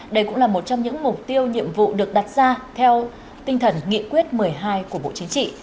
đây cũng là một trong những mục tiêu nhiệm vụ được đặt ra theo tinh thần nghị quyết một mươi hai của bộ chính trị